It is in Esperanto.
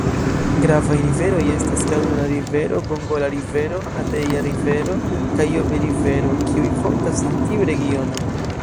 Gravaj riveroj estas Kaduna-Rivero, Gongola-Rivero, Hadejia-Rivero kaj Jobe-Rivero, kiuj fontas en tiu regiono.